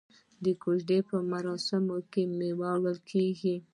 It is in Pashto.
د کوژدې په مراسمو کې میوه وړل کیږي.